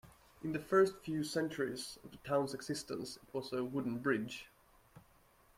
In the first few centuries of the town's existence, it was a wooden bridge.